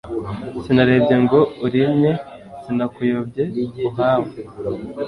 Sinarebye ngo urimye Sinakuyobye uhawe,